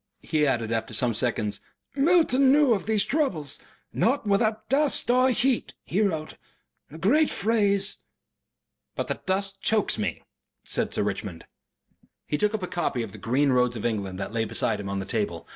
He added after some seconds, "Milton knew of these troubles. 'Not without dust and heat' he wrote a great phrase." "But the dust chokes me," said Sir Richmond. He took up a copy of THE GREEN ROADS OF ENGLAND that lay beside him on the table.